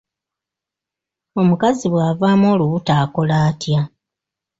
Omukazi bw'avaamu olubuto akola atya?